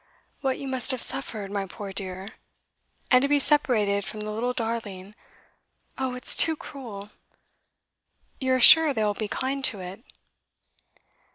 'What you must have suffered, my poor dear! And to be separated from the little darling! Oh, it's too cruel! You are sure they will be kind to it?